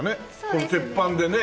この鉄板でね。